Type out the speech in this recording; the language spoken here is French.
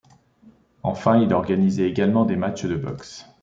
Enfin il organisait également des matchs de boxe.